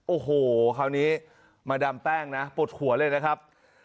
โอ้โหคราวนี้มาดามแป้งนะปวดหัวเลยนะครับ